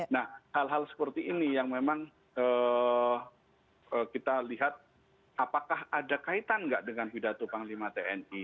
nah hal hal seperti ini yang memang kita lihat apakah ada kaitan nggak dengan pidato panglima tni